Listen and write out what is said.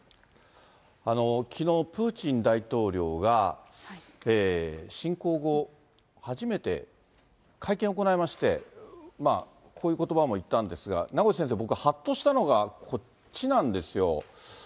きのう、プーチン大統領が、侵攻後初めて会見を行いまして、こういうことばも言ったんですが、名越先生、僕、はっとしたのが、こっちなんですよ。